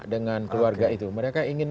dengan keluarga itu mereka ingin